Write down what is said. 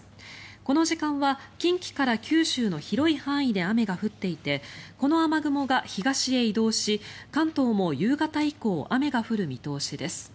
この時間は近畿から九州の広い範囲で雨が降っていてこの雨雲が東へ移動し関東も夕方以降雨が降る見通しです。